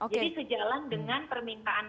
jadi sejalan dengan permintaan